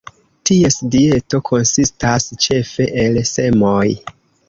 Ties dieto konsistas ĉefe el semoj.